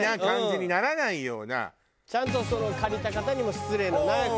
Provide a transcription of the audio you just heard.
ちゃんと借りた方にも失礼のなく。